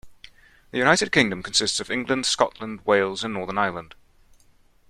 The United Kingdom consists of England, Scotland, Wales and Northern Ireland.